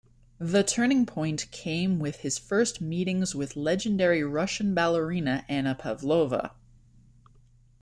The turning point came with his first meetings with legendary Russian ballerina Anna Pavlova.